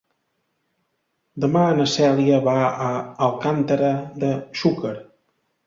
Demà na Cèlia va a Alcàntera de Xúquer.